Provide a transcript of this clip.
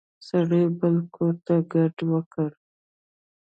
سړي بل کور ته کډه وکړه.